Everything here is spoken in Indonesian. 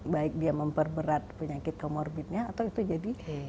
baik dia memperberat penyakit komorbitnya atau itu jadinya